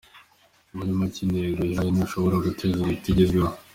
muri make intego yihaye ntashobora gutezuka itagezweho.